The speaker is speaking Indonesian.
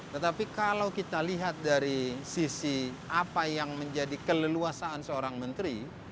tetapi kalau kita lihat dari sisi apa yang menjadi keleluasaan seorang menteri